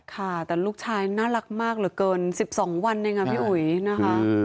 ค่ะแต่ลูกชายน่ารักมากเหลือเกิน๑๒วันเองอ่ะพี่อุ๋ยนะคะ